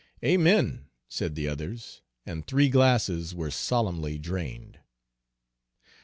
'" "Amen!" said the others, and three glasses were solemnly drained.